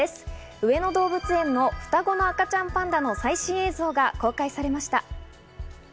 上野動物園の双子の赤ちゃんパンダの最新映像が公開されました。